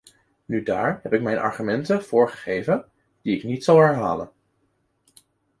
Nu daar heb ik mijn argumenten voor gegeven die ik niet zal herhalen.